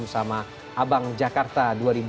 bersama abang jakarta dua ribu dua puluh